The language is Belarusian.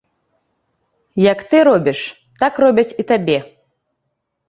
Як ты робіш, так робяць і табе.